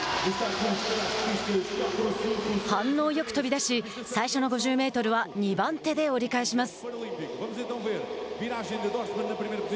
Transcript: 反応よく飛びだし最初の５０メートルは２番手で折り返します。